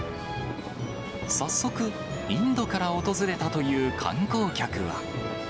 早速、インドから訪れたという観光客は。